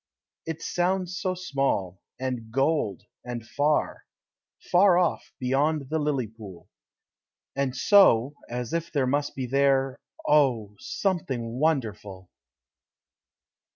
It sounds so small, and gold, and far Far off, beyond the lily pool; And so, as if there must be there Oh, something Wonderful!